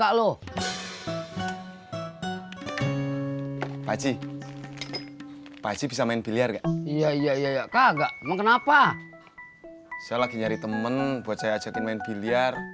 hai pac bisa main biliar ya iya iya kagak mengenapa saya lagi nyari temen bizet main bilyar